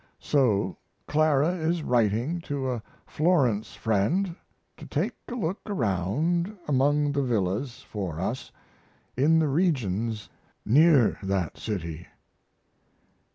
So Clara is writing to a Florence friend to take a look around among the villas for us in the regions near that city.